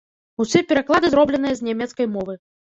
Усе пераклады зробленыя з нямецкай мовы.